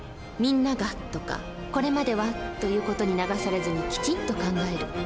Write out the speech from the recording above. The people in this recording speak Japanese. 「みんなが」とか「これまでは」という事に流されずにきちんと考える。